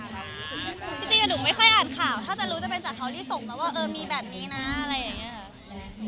จริงหนูไม่ค่อยอ่านข่าวถ้าจะรู้จะเป็นจากเขาที่ส่งมาว่าเออมีแบบนี้นะอะไรอย่างนี้ค่ะ